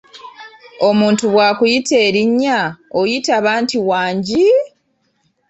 Omuntu bwakuyita erinnya oyitaba nti "Wangi?